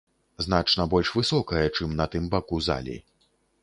Значна больш высокае, чым на тым баку залі.